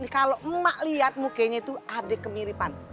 kalau mak lihat mukanya itu adik kemiripan